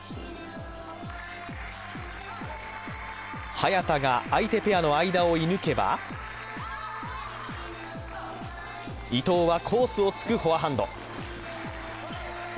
早田が相手ペアの間を射抜けば伊藤はコースを突くフォアハンド。